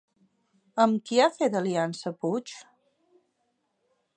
Amb qui ha fet aliança Puig?